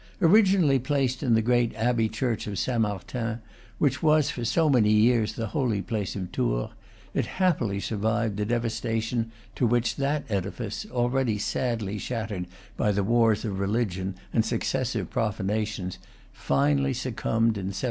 Originally placed in the great abbey church of Saint Martin, which was for so many ages the holy place of Tours, it happily survived the devastation to which that edifice, already sadly shattered by the wars of religion and successive profanations, finally succumbed in 1797.